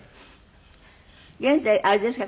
現在あれですか？